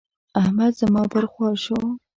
احمد زما پر خوا شو.